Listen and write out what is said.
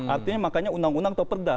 artinya makanya undang undang atau perda